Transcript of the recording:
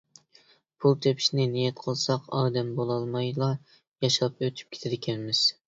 پۇل تېپىشنى نىيەت قىلساق ئادەم بولالمايلا ياشاپ ئۆتۈپ كېتىدىكەنمىز.